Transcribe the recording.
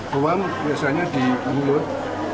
ruang biasanya di mulut